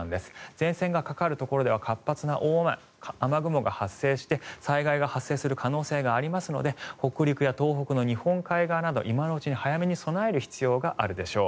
前線がかかるところでは活発な雨雲が発生して災害が発生する可能性がありますので北陸や東北の日本海側など今のうちに早めに備える必要があるでしょう。